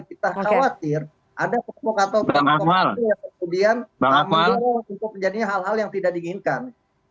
kita khawatir ada kemok kemokan atau kemok kemokan yang kemudian akan menjadi hal hal yang tidak diinginkan